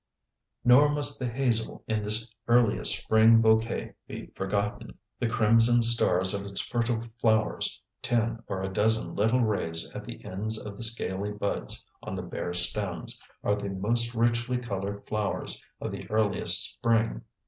"_ Nor must the hazel in this earliest spring bouquet be forgotten. The crimson stars of its fertile flowers, ten or a dozen little rays at the ends of the scaly buds on the bare stems, are the most richly colored flowers of the earliest spring.